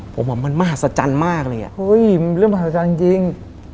ผมว่ามันมหัศจรรย์มากเลยอ่ะเฮ้ยเรื่องมหัศจรรย์จริง